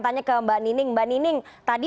tanya ke mbak nining mbak nining tadi